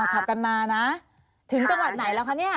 ขับกันมานะถึงจังหวัดไหนแล้วคะเนี่ย